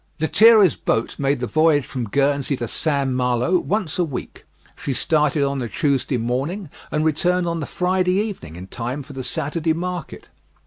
Lethierry's boat made the voyage from Guernsey to St. Malo once a week. She started on the Tuesday morning, and returned on the Friday evening, in time for the Saturday market.